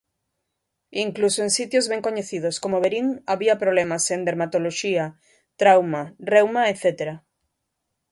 Incluso en sitios ben coñecidos como Verín había problemas en Dermatoloxía, Trauma, Reuma etcétera.